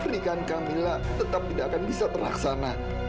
berikan kamila tetap tidak akan bisa terlaksana